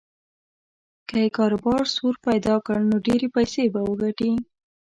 که یې کاروبار سور پیدا کړ نو ډېرې پیسې به وګټي.